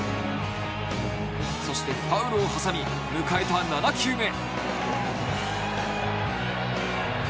そしてファウルを挟み迎えた７球目。